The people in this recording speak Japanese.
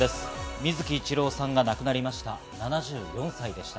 水木一郎さんが亡くなりました。